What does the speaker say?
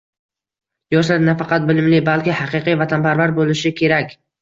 Yoshlar nafaqat bilimli, balki haqiqiy vatanparvar bo‘lishi kerakng